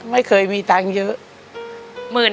ไม่เคยมีตังค์เยอะ